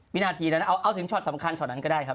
วินาทีนั้นเอาถึงช็อตสำคัญช็อตนั้นก็ได้ครับ